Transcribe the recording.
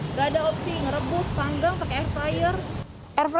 gak ada opsi merebus panggang pakai air fryer